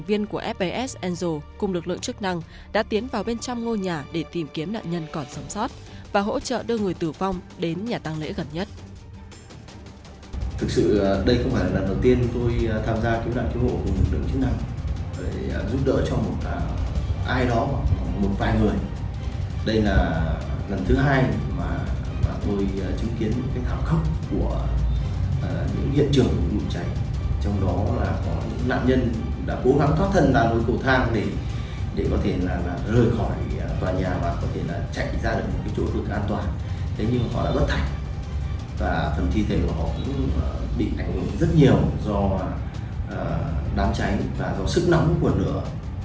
và phần thi thể của họ cũng bị ảnh hưởng rất nhiều do đám cháy và do sức nóng của lửa